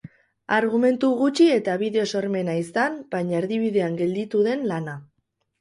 Argumentu gutxi eta bideo sormena izan baina erdibidean gelditu den lana.